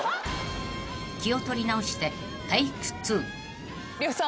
［気を取り直してテイク２］呂布さん